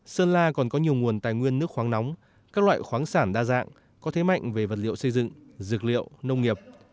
sơn la còn có nhiều nguồn tài nguyên nước khoáng nóng các loại khoáng sản đa dạng có thế mạnh về vật liệu xây dựng dược liệu nông nghiệp